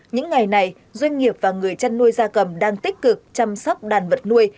những ngày này doanh nghiệp và người chăn nuôi gia cầm đang tích cực chăm sóc đàn vật nuôi